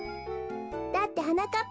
だってはなかっ